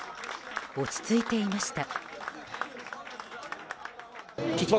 落ち着いていました。